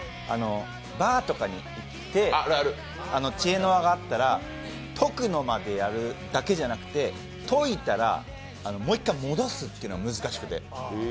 バーとかに行って、知恵の輪があったらとくのまでやるだけじゃなくて、といたらもう一回戻すというのが難しくて。